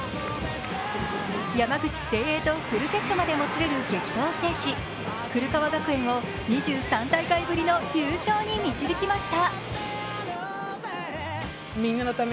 山口・誠英とフルセットまでもつれる激闘を制し、古川学園を２３大会ぶりの優勝に導きました。